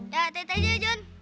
ya teteh aja ya jon